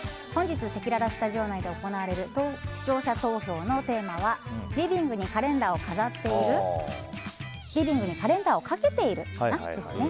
本日せきららスタジオ内で行われる視聴者投票のテーマはリビングにカレンダーを掛けている？です。